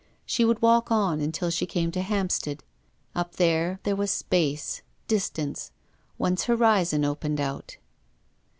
She would walk on until she came to Hampstead. Up there, there was space, distance; one's horizon opened out.